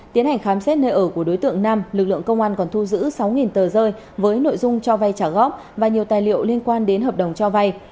tiến hành khám xét nơi ở của đối tượng nam lực lượng công an còn thu giữ sáu tờ rơi với nội dung cho vay trả góp và nhiều tài liệu liên quan đến hợp đồng cho vay